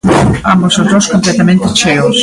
Ambos os dous completamente cheos.